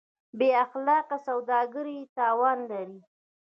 بېاخلاقه سوداګري تاوان لري.